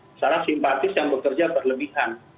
secara simpatis dan bekerja berlebihan